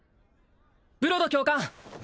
ブロド教官！